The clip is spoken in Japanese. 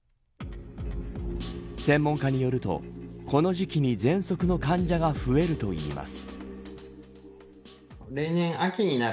専門家によるとこの時期に、ぜんそくの患者が増えるといいます。